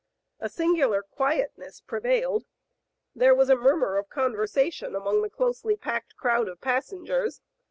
A singular quietness prevailed. There was a mur mur of conversation among the closely packed crowd of passengers.